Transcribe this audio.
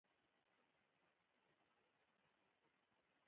د سبزیجاتو کرنه د روغتیايي خوړو تولید کې مهم رول لري.